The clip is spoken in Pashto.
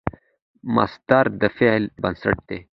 مصدر د فعل بنسټ دئ.